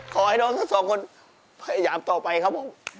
ขอให้น้องทั้งสองคนพยายามต่อไปครับผม